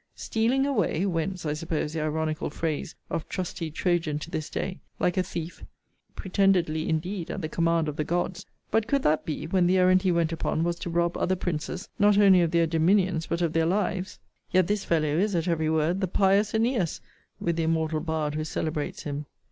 Stealing away, (whence, I suppose, the ironical phrase of trusty Trojan to this day,) like a thief pretendedly indeed at the command of the gods; but could that be, when the errand he went upon was to rob other princes, not only of their dominions, but of their lives? Yet this fellow is, at every word, the pious Æneas, with the immortal bard who celebrates him.